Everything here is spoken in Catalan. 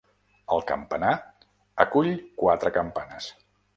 El campanar acull quatre campanes.